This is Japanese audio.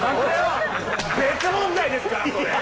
別問題ですから、それ。